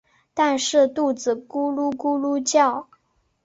但是肚子咕噜咕噜叫